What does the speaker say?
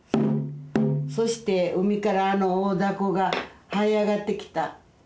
そして海からあの大だこがはい上がってきた。